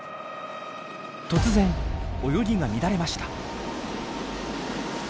突然泳ぎが乱れました。